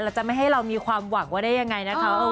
จะไม่ให้เรามีความหวังว่าได้ยังไงนะคะ